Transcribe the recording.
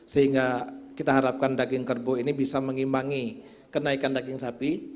sehingga kita harapkan daging kerbau ini bisa mengimbangi kenaikan daging sapi